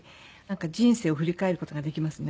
人生を振り返る事ができますね。